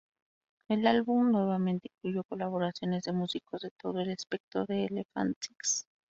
El álbum nuevamente incluyó colaboraciones de músicos de todo el espectro de Elephant Six.